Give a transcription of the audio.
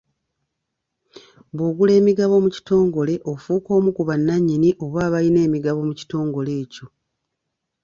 Bw'ogula emigabo mu kitongole, ofuuka omu ku bannannyini oba abalina emigabo mu kitongole ekyo.